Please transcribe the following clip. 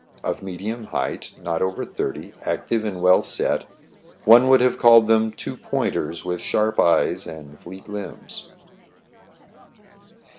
Of medium height, not over thirty, active, and well set, one would have called them two pointers with sharp eyes and fleet limbs.